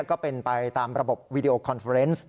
ก็เป็นไปตามระบบวีดีโอคอนเฟอร์เนส์